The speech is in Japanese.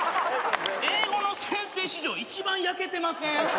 英語の先生史上一番焼けてません？